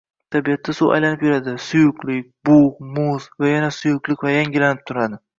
Tabiatda suv aylanib yuradi: suyuqlik, bug ', muz va yana suyuq va yangilanib turadi